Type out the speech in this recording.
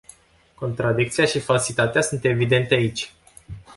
Contradicția și falsitatea sunt evidente aici.